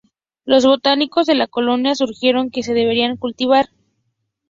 Los botánicos de la colonia sugirieron que se deberían cultivar.